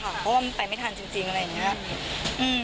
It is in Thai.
เพราะว่ามันไปไม่ทันจริงอะไรอย่างนี้